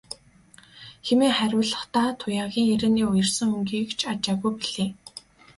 хэмээн хариулахдаа Туяагийн ярианы уярсан өнгийг ч ажаагүй билээ.